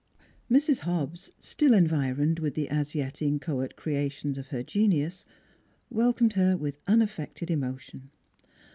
Mrs. Hobbs, still environed with the as yet inchoate creations of her genius, welcomed her with unaffected emotion.